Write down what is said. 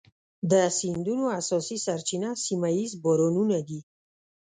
د سیندونو اساسي سرچینه سیمه ایز بارانونه دي.